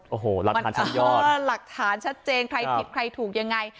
โอ้โหหลักฐานชัดยอดใครผิดใครถูกยังไง